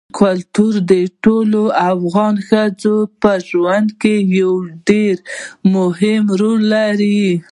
کلتور د ټولو افغان ښځو په ژوند کې یو ډېر مهم رول لري.